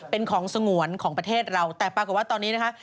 เป็นของสงวนของประเทศเราแต่ปรากฏว่าตอนนี้นะคะ